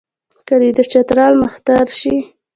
که دی د چترال مهتر شي.